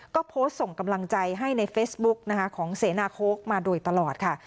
ก็โพสต์ส่งกำลังใจให้ในเฟซบุ๊กนะคะของเสนาโค้กมาโดยตลอดค่ะ